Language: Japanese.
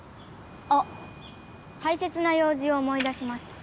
あたいせつな用事を思い出しました。